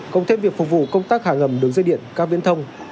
công thêm việc phục vụ công tác hạ ngầm đường dây điện các viễn thông